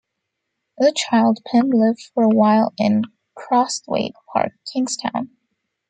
As a child Pim lived for a while in Crosthwaite Park, Kingstown.